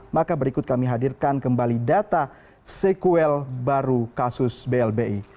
maka berikut kami hadirkan kembali data sekuel baru kasus blbi